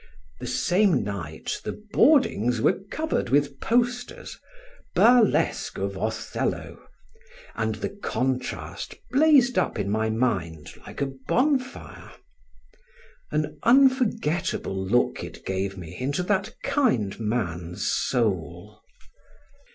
The same night the boardings were covered with posters, "Burlesque of Othello," and the contrast blazed up in my mind like a bonfire. An unforgettable look it gave me into that kind man's soul.